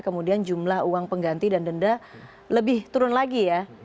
kemudian jumlah uang pengganti dan denda lebih turun lagi ya